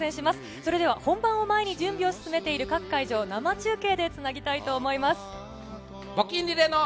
それでは本番を前に準備を進めている各会場、生中継でつなぎたいと思います。